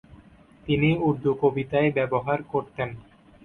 তিনি উর্দু কবিতায় ব্যবহার করতেন।